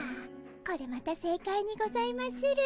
これまた正解にございまする。